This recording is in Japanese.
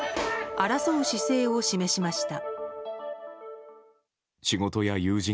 争う姿勢を示しました。